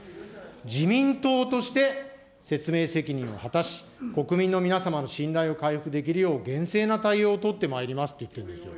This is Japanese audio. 自民党として説明責任を果たし、国民の皆様の信頼を回復できるよう厳正な対応を取ってまいりますって言ってるんですよ。